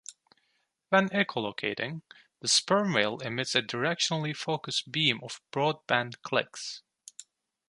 When echo-locating, the sperm whale emits a directionally focused beam of broadband clicks.